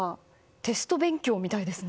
テスト勉強みたいですね。